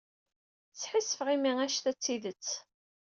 Sḥissifeɣ imi anect-a d tidet.